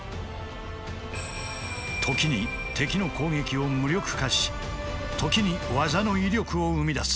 時に敵の攻撃を無力化し時に技の威力を生み出す。